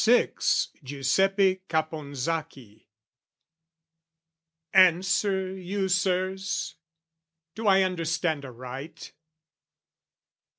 VI Giuseppe Caponsacchi Answer you, Sirs? Do I understand aright?